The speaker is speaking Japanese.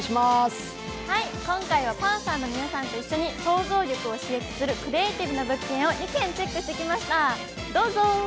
今回はパンサーの皆さんと一緒に、創造力を刺激するクリエーティブな物件を２軒チェックしてきました。